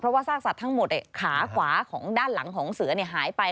ซากสัตว์ทั้งหมดขาขวาของด้านหลังของเสือหายไป